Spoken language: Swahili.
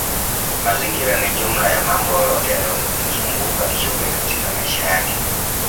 Mazingira ni jumla ya mambo yote yanayomzuguka kiumbe katika maisha yake